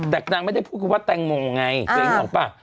แต่นางไม่ได้พูดว่าแตงโมไงเธอยังไม่รู้ป่ะ